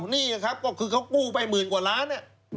นี่ครับก็คือเขากู้ไปหมื่นกว่าล้าน